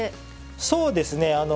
そうですね。